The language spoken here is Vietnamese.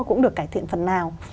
cũng được cải thiện phần nào